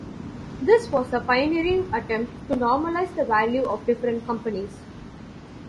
This was a pioneering attempt to normalize the value of different companies.